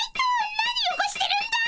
何よごしてるんだ！